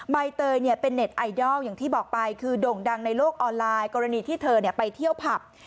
ใบเตยเป็นเน็ตไอดอลอย่างที่บอกไปคือโด่งดังในโลกออนไลน์กรณีที่เธอไปเที่ยวผับ